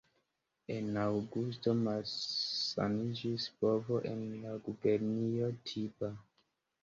En aŭgusto malsaniĝis bovo en la gubernio Tiba.